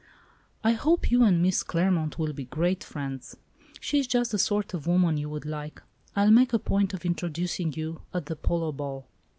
"I hope you and Miss Claremont will be great friends. She is just the sort of woman you would like. I'll make a point of introducing you at the Polo Ball.